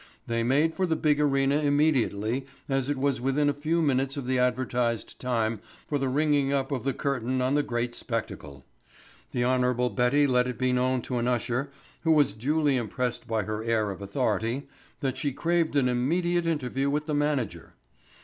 They made for the big arena immediately as it was within a few minutes of the advertised time for the ringing up of the curtain on the great spectacle. The Hon. Betty let it be known to an usher, who was duly impressed by her air of authority, that she craved an immediate interview with the manager.